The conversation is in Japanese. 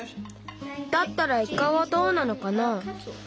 だったらイカはどうなのかな？